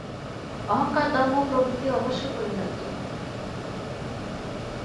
অহঙ্কার, দম্ভ প্রভৃতি অবশ্যই পরিহার্য।